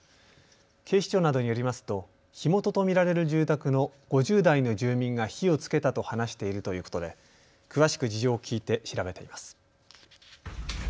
警視庁などによりますと火元と見られる住宅の５０代の住民が火をつけたと話しているということで詳しく事情を聞いて調べています。